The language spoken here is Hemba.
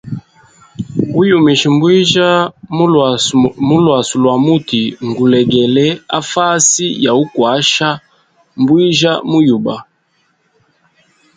Uyumisha mbwijya mu lwasi lwa muti ngulegele a fasi ya ukwasha mbwijya mu yuba.